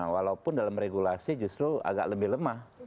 walaupun dalam regulasi justru agak lebih lemah